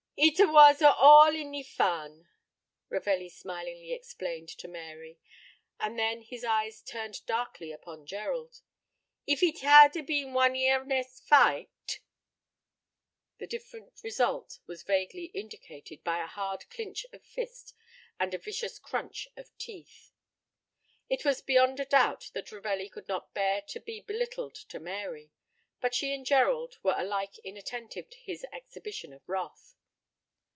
"Eet was a all een fun," Ravelli smilingly explained to Mary, and then his eyes turned darkly upon Gerald: "Eef eet had a been one ear nest fight ," the different result was vaguely indicated by a hard clinch of fists and a vicious crunch of teeth. It was beyond a doubt that Ravelli could not bear to be belittled to Mary; but she and Gerald were alike inattentive to his exhibition of wrath.